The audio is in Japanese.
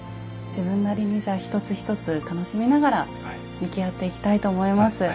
自分なりにじゃあ一つ一つ楽しみながら向き合っていきたいと思います。